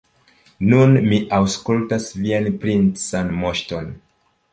Nun mi aŭskultas vian princan moŝton.